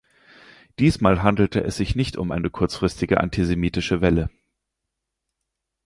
Diesmal handelte es sich nicht um eine kurzfristige antisemitische Welle.